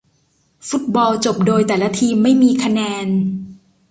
ฟุตบอลจบโดยแต่ละทีมไม่มีคะแนน